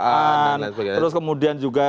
dan lain sebagainya terus kemudian juga